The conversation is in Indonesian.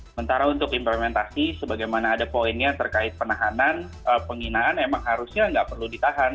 sementara untuk implementasi sebagaimana ada poinnya terkait penahanan penghinaan emang harusnya nggak perlu ditahan